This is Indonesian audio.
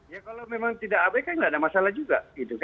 ya kalau memang tidak abai kan nggak ada masalah juga